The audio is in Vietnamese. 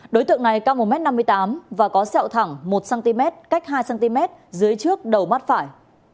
đối tượng này cao một m năm mươi tám và có sẹo thẳng một cm cách hai cm dưới trước đầu mắt phải